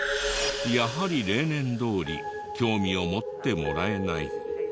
やはり例年どおり興味を持ってもらえない。